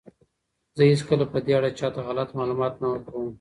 زه هیڅکله په دې اړه چاته غلط معلومات نه ورکوم.